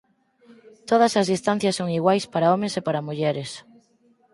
Todas as distancias son iguais para homes e para mulleres.